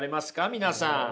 皆さん。